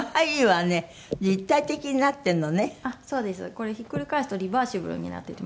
これひっくり返すとリバーシブルになってて。